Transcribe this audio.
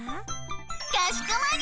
かしこまり！